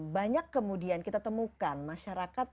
banyak kemudian kita temukan masyarakat